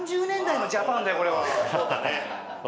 そうだね。